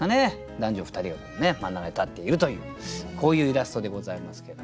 男女２人が真ん中に立っているというこういうイラストでございますけども。